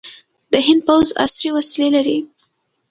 د هند پوځ عصري وسلې لري.